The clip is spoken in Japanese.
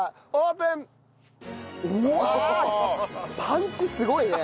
パンチすごいね！